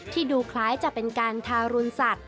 ดูคล้ายจะเป็นการทารุณสัตว